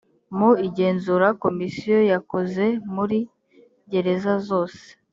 mu igenzura komisiyo yakoze muri gereza zose